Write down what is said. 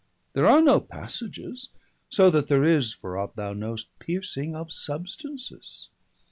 There are no passages, so that there is 275 (For ought thou know'st) piercing of substances.